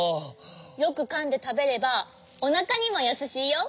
よくかんでたべればおなかにもやさしいよ。